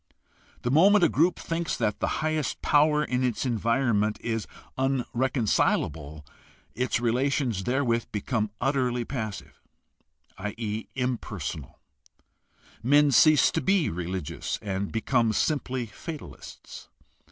The moment a group thinks that the highest power in its environment is unreconcilable its relations therewith become utterly passive, i.e., impersonal; men cease to be religious and become simply fatalists.